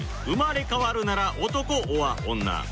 生まれ変わるなら男 ｏｒ 女？